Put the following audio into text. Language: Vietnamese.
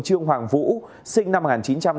trương hoàng vũ sinh năm một nghìn chín trăm tám mươi